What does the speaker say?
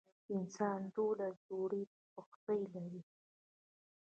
انسان دولس جوړي پښتۍ لري.